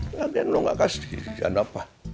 nanti lu nggak kasih izin apa